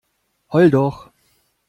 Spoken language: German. Heul doch!